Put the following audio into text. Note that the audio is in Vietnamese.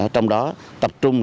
trong đó tập trung